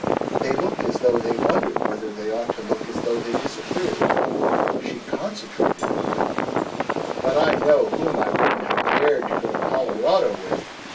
They looked as though they wondered whether they ought to look as though they disapproved. She concentrated on them: "But I know whom I wouldn't have dared to go to Colorado with!